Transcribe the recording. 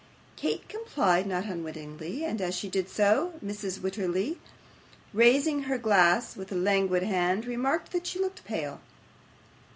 Kate complied, not unwillingly; and, as she did so, Mrs. Wititterly raising her glass with a languid hand, remarked, that she looked pale.